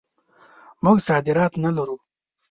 موږ صادرات نه لرو.